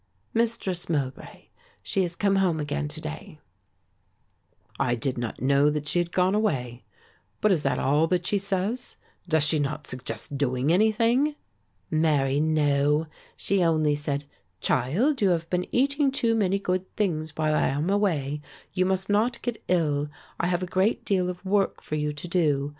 "Mistress Mowbray, she has come home again to day." "I did not know that she had gone away, but is that all that she says; does she not suggest doing anything?" "Marry no, she only said, 'Child, you have been eating too many good things while I am away; you must not get ill; I have a great deal of work for you to do.